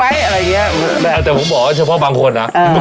อะไรอย่างเงี้ยแต่ผมบอกว่าเฉพาะบางคนอ่ะอ่า